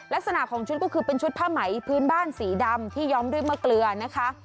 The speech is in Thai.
ลักษณะของชุดก็คือเป็นชุดผ้าไหมพื้นบ้านสีดำที่ย้อมด้วยมะเกลือนะคะ